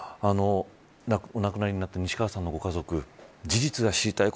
お亡くなりになった西川さんのご家族事実が知りたい。